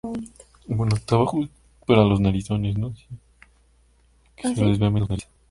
Los sistemas resultantes son llamados endurecidos o resistentes a la radiación.